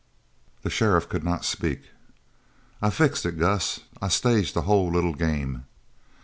The sheriff could not speak. "I fixed it, Gus. I staged the whole little game."